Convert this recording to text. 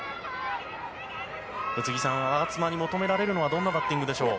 宇津木さん我妻に求められるのはどんなバッティングでしょう？